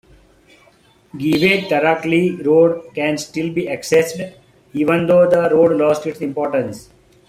Geyve-Tarakli road can still be accessed, even though the road lost its importance.